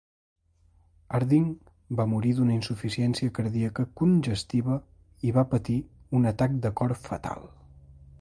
Harding va morir d'una insuficiència cardíaca congestiva i va patir un atac de cor fatal.